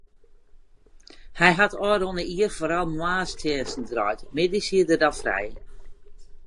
Hy hat ôfrûne jier foaral moarnstsjinsten draaid, middeis hie er dan frij.